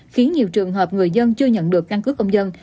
khiến nhiều trường hợp người dân chưa nhận được căn cứ công dân